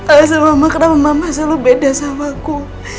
alasan mama kenapa mama selalu beda sama aku